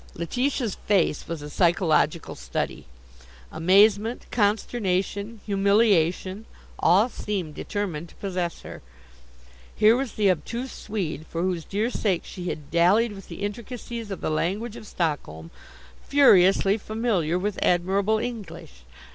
Letitia's face was a psychological study. Amazement, consternation, humiliation all seemed determined to possess her. Here was the obtuse Swede, for whose dear sake she had dallied with the intricacies of the language of Stockholm, furiously familiar with admirable English!